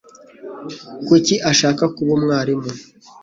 Kuki ashaka kuba umwarimu?